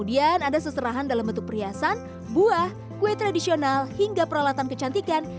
dan siap bertanggung jawab